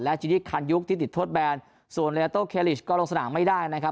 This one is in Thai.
จินิคันยุคที่ติดโทษแบนส่วนเลอโต้เคลิชก็ลงสนามไม่ได้นะครับ